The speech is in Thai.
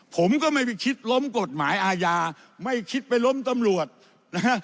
ผมก็ไม่ไปคิดล้มกฎหมายอาญาไม่คิดไปล้มตำรวจนะฮะ